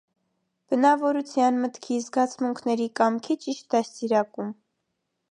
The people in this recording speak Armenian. Բնավորության, մտքի, զգացմունքների, կամքի ճիշտ դաստիարակում։